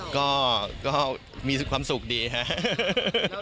ก็มีความสุขดีครับ